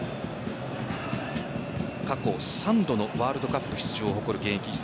過去３度のワールドカップ出場を誇る現役時代